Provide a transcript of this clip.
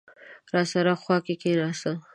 راسره خوا کې کېناست.